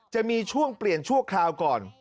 จะมีช่วงเปลี่ยนชั่วคราวก่อน